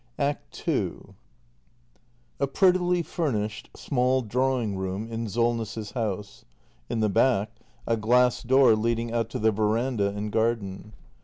ACT SECOND A prettily furnished small drawing room in Solness's house. In the back, a glass door leading out to the veranda and garden.